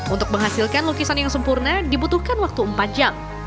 untuk menghasilkan lukisan yang sempurna dibutuhkan waktu empat jam